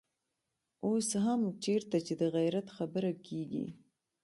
اوس هم چېرته چې د غيرت خبره کېږي.